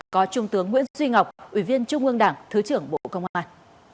có trung tướng nguyễn duy ngọc ủy viên trung ương đảng thứ trưởng bộ công an